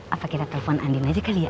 apa kita telpon andin aja kali ya